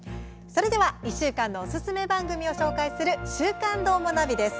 それでは１週間のおすすめ番組を紹介する「週刊どーもナビ」です。